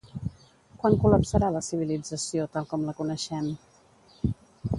Quan col·lapsarà la civilització tal com la coneixem?